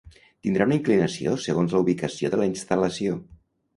tindrà una inclinació segons la ubicació de la instal·lació